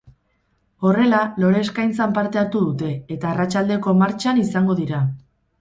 Horrela, lore-eskaintzan parte hartu dute, eta arratsaldeko martxan izango dira.